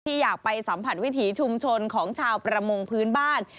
อยากไปสัมผัสวิถีชุมชนของชาวประมงพื้นบ้าน